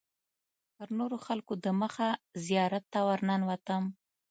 تر نورو خلکو دمخه زیارت ته ورننوتم.